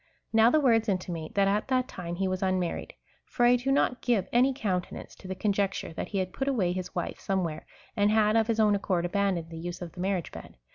^ Now the words intimate, that at that time he was unmar lied ; for I do not give any countenance to the conjecture, that he had put away his wife somewhere, and had of his own accord abandoned the use of the marriage bed.